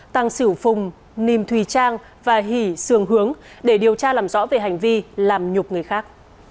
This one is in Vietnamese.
tăng xỉu phùng nìm thùy trang và hỷ sườn hướng để điều tra làm rõ về hành vi làm nhục người khác